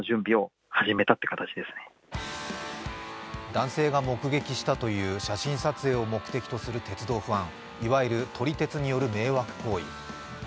男性が目撃したという写真撮影を目的とする鉄道ファンいわゆる撮り鉄による迷惑行為。